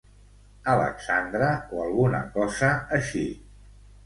Alexandra o alguna cosa així.